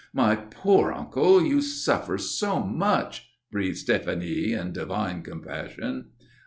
"My poor uncle! You suffer so much?" breathed Stéphanie, in divine compassion.